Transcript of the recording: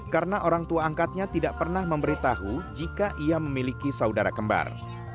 karena orang tua angkatnya tidak pernah memberitahu jika ia memiliki saudara kembar